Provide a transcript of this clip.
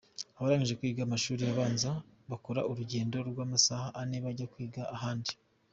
Abarangije kwiga amashuri abanza, bakora urugendo rw’amasaha ane bajya kwiga ahandi.